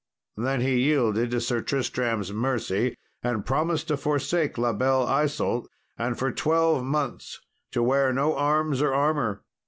Then he yielded to Sir Tristram's mercy, and promised to forsake La Belle Isault, and for twelve months to wear no arms or armour.